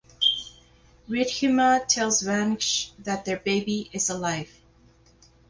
Riddhima tells Vansh that their baby is alive.